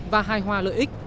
và hài hòa lợi ích